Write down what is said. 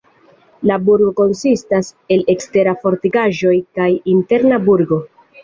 La burgo konsistas el ekstera fortikaĵo kaj interna burgo.